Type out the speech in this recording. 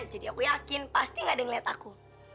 jadi aku yakin pasti nggak ada yang liat aku